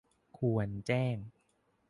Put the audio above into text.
ควรแจ้ง